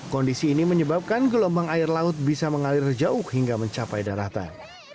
kondisi ini menyebabkan gelombang air laut bisa mengalir jauh hingga mencapai daratan